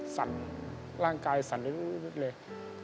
สั่นร่างกายสั่นด้วย